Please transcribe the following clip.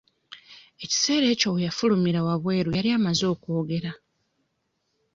Ekiseera ekyo we yafulumira wabweru yali amaze okwogera .